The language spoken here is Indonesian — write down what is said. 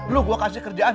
loh gue kasih kerjaan